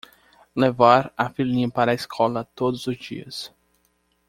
Levar a filhinha para a escola todos os dias